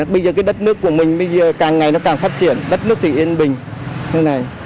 bây giờ cái đất nước của mình bây giờ càng ngày nó càng phát triển đất nước thì yên bình như này